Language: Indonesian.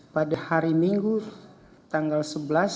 pada hari minggu tanggal sebelas februari kemarin